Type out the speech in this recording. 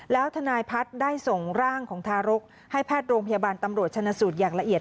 แล้วทนายพัฒน์ได้ส่งร่างของทารกให้แพทย์โรงพยาบาลตำรวจชนะสูตรอย่างละเอียด